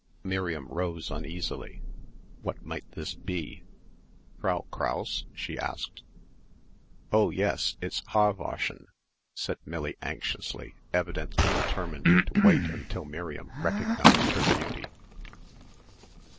Miriam rose uneasily. What might this be? "Frau Krause?" she asked. "Oh yes, it's Haarwaschen," said Millie anxiously, evidently determined to wait until Miriam recognised her duty.